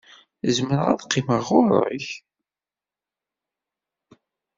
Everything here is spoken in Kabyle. Zemreɣ ad qqimeɣ ɣer-k?